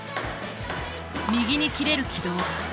右に切れる軌道。